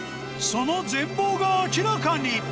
その全貌が明らかに。